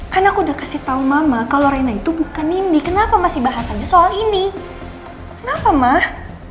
kan aku udah kasih tau mama kalau rena itu bukan nindi kenapa masih bahas aja soal ini kenapa mah